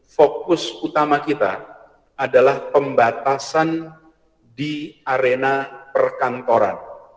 fokus utama kita adalah pembatasan di arena perkantoran